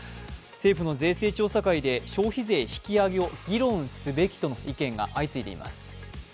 政府の税政調査会で、消費税引き上げを議論すべきとの意見が相次いでいます。